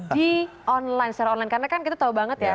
di online secara online karena kan kita tahu banget ya